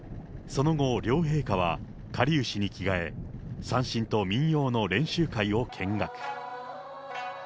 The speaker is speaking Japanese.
その後、両陛下はかりゆしに着替え、三線と民謡の練習会を見学。